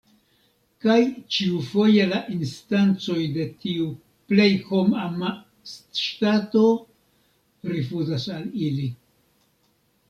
Kaj ĉiufoje la instancoj de tiu „plej hom-ama ŝtato” rifuzas al ili.